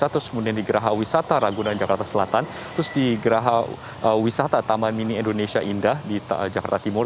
terus di geraha wisata taman mini indonesia indah di jakarta timur